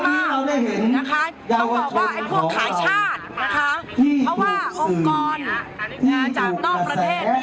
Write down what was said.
เมื่อกี้เราได้เห็นอย่างตรงของของเราที่บุกศึกที่ตกกระแส